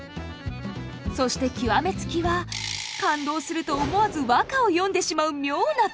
そして極め付きは感動すると思わず和歌を詠んでしまう妙な癖。